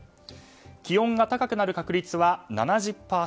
気温が高くなる確率は７０％。